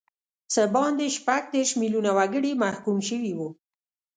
څه باندې شپږ دیرش میلیونه وګړي محکوم شوي وو.